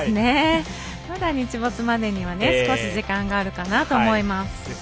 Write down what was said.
まだ日没までには少し時間はあるかなと思います。